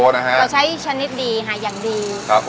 เราใช้ชนิดดีอย่างดี